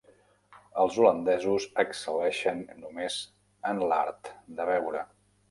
Els holandesos excel·leixen només en l'art de beure.